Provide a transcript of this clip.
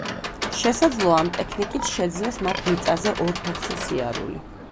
შესაძლოა ამ ტექნიკით შეძლეს მათ მიწაზე ორ ფეხზე სიარული.